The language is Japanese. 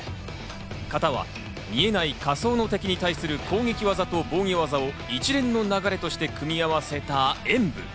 形は見えない仮想の敵に対する攻撃技と防御技を一連の流れとして組み合わせた演武。